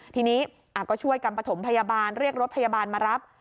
ทีนี้ก็ช่วยกันประถมพยาบาลเรียกรถพยาบาลมารับ